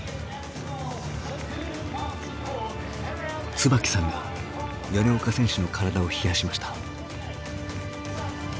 椿さんが米岡選手の体を冷やしました。